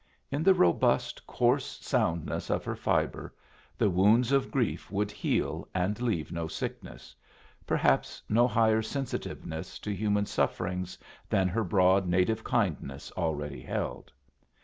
In the robust, coarse soundness of her fibre, the wounds of grief would heal and leave no sickness perhaps no higher sensitiveness to human sufferings than her broad native kindness already held.